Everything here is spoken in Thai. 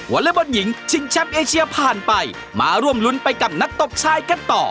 อเล็กบอลหญิงชิงแชมป์เอเชียผ่านไปมาร่วมรุ้นไปกับนักตบชายกันต่อ